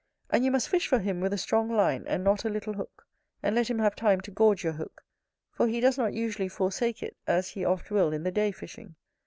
And you must fish for him with a strong line, and not a little hook; and let him have time to gorge your hook, for he does not usually forsake it, as he oft will in the day fishing.